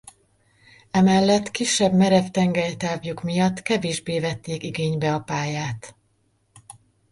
Emellett kisebb merev tengelytávjuk miatt kevésbé vették igénybe a pályát.